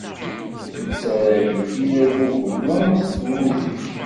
Nettarra ayefki d aguglu d wudi.